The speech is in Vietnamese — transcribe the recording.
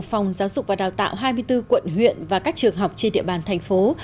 phòng giáo dục và đào tạo hai mươi bốn quận huyện và các trường học trên địa bàn thành phố